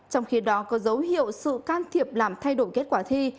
trong khi đó có dấu hiệu sự can thiệp làm thay đổi kết quả thi